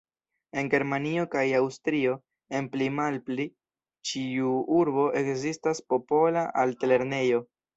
En Germanio kaj Aŭstrio, en pli-malpli ĉiu urbo ekzistas popola altlernejo.